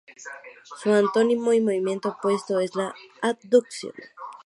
Su antónimo y movimiento opuesto es la abducción.